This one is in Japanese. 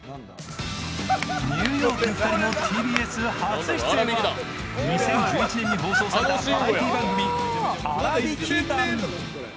ニューヨークの２人のＴＢＳ初出演は２０１１年に放送されたバラエティー番組「あらびき団」。